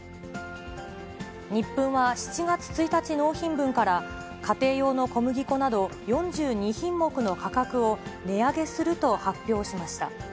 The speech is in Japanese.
ニップンは７月１日納品分から、家庭用の小麦粉など、４２品目の価格を値上げすると発表しました。